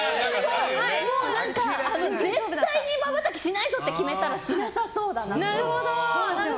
もう、絶対にまばたきしないぞって決めたらしなさそうだなと。